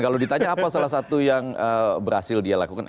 kalau ditanya apa salah satu yang berhasil dia lakukan